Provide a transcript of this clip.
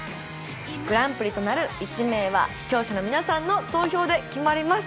グランプリとなる１名は視聴者の皆さんの投票で決まります